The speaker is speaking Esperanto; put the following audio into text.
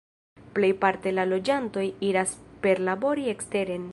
Plejparte la loĝantoj iras perlabori eksteren.